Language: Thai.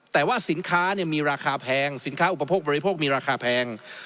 แต่ว่าสินค้ามีราคาแพงสินค้าอุปโภคบริโภคมีราคาแพง